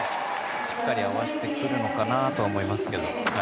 しっかり合わせてくるのかなと思います。